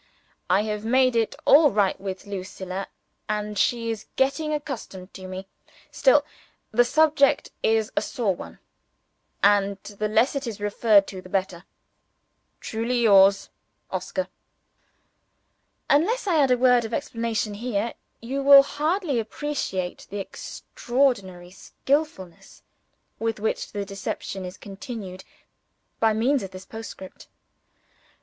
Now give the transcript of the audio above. I have made it all right with Lucilla, and she is getting accustomed to me. Still, the subject is a sore one; and the less it is referred to the better. Truly yours, "OSCAR." Unless I add a word of explanation here, you will hardly appreciate the extraordinary skillfulness with which the deception is continued by means of this postscript.